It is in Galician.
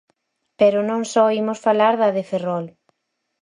Pero non só imos falar da de Ferrol.